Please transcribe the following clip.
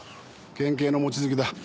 県警の望月だ。